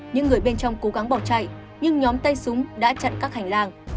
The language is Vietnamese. những người bên trong cố gắng bỏ chạy nhưng nhóm tay súng đã chặn các hành lang